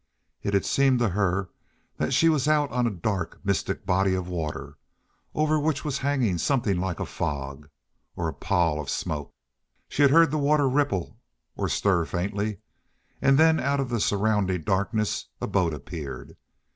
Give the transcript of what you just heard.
It had seemed to her that she was out on a dark, mystic body of water over which was hanging something like a fog, or a pall of smoke. She heard the water ripple, or stir faintly, and then out of the surrounding darkness a boat appeared.